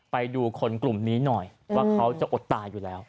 ไปดูคนกลุ่มนี้หน่อยว่าเขาจะอดตายอยู่แล้ว